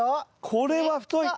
これは太い太い。